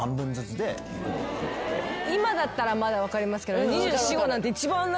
今だったらまだ分かりますけど。